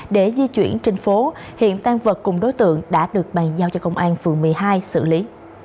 để di chuyển trên phố hiện tan vật cùng đối tượng đã được bàn giao cho công an phường một mươi hai xử lý